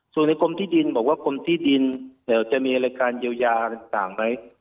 ส่วนในกลมที่ดินบอกว่ากลมนี้จะมีอะไรจะมีอะไรกันเยี่ยวยาอะไรต่างไหม